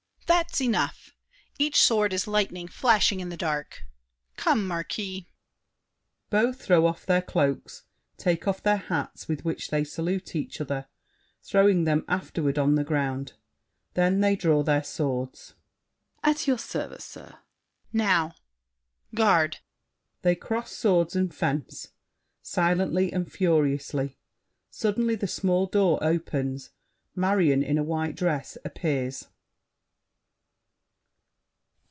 DIDIER. That's enough! Each sword is lightning flashing in the dark. Come, Marquis! [Both throw off their cloaks, take off their hats with which they salute each other, throwing them afterward on the ground. Then they draw their swords. SAVERNY. At your service, sir. DIDIER. Now! Garde! [They cross swords and fence, silently and furiously. Suddenly the small door opens, Marion in a white dress appears.